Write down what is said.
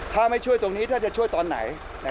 ถ้าไม่ช่วยตรงนี้ถ้าจะช่วยตอนไหน